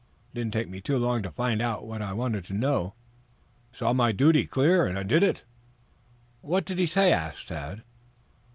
It didn't take me long to find out what I wanted to know. I saw my duty clear and I did it." "What did he say?" asked Tad.